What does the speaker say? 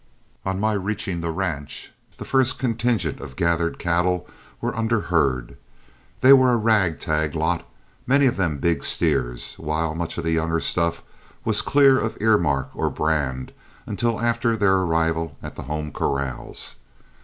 On my reaching the ranch the first contingent of gathered cattle were under herd. They were a rag tag lot, many of them big steers, while much of the younger stuff was clear of earmark or brand until after their arrival at the home corrals.